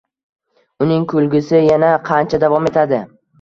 Uning kulgisi yana qancha davom etadi?